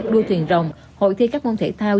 đua thuyền rồng hội thi các môn thể thao